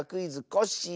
コッシー」